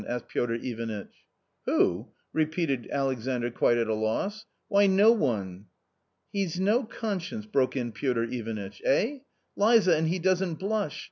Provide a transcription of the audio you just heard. " asked Piotr Ivanitch. " Who ?" repeated Alexandr quite at a loss, " why, no one." " He's no conscience !" broke in Piotr Ivanitch, " eh ? Liza, and he doesn't blush